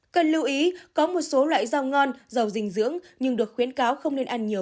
cần lưu ý có một số loại rau ngon giàu dinh dưỡng nhưng được khuyến cáo không nên ăn nhiều